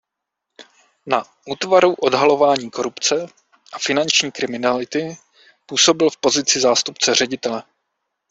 Na Útvaru odhalování korupce a finanční kriminality působil v pozici zástupce ředitele.